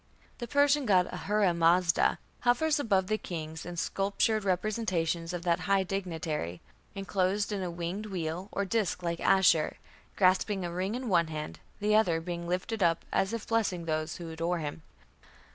" The Persian god Ahura Mazda hovers above the king in sculptured representations of that high dignitary, enclosed in a winged wheel, or disk, like Ashur, grasping a ring in one hand, the other being lifted up as if blessing those who adore him.